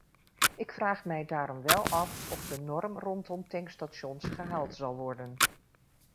Ik vraag mij daarom wel af of de norm rondom tankstations gehaald zal worden.